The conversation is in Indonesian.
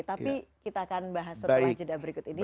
tapi kita akan bahas setelah jeda berikut ini